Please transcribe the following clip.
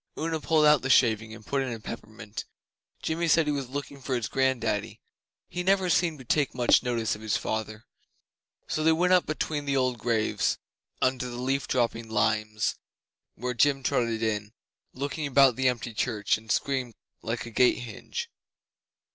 Una pulled out the shaving and put in a peppermint. Jimmy said he was looking for his grand daddy he never seemed to take much notice of his father so they went up between the old graves, under the leaf dropping limes, to the porch, where Jim trotted in, looked about the empty Church, and screamed like a gate hinge.